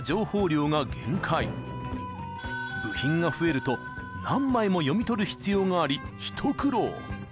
［部品が増えると何枚も読み取る必要があり］